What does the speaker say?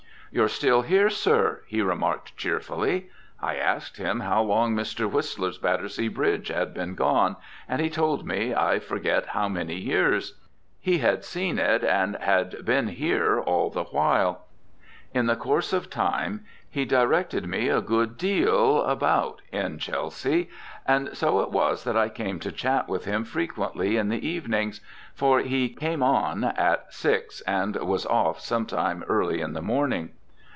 "You're still here, sir," he remarked cheerfully. I asked him how long Mr. Whistler's Battersea Bridge had been gone, and he told me I forget how many years. He had seen it and had been here all the while. In the course of time he directed me a good deal about in Chelsea, and so it was that I came to chat with him frequently in the evenings, for he "came on" at six and was "off" some time early in the morning.